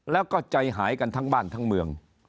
แล้วก็ใจหายกันทั้งบ้านทั้งเมือง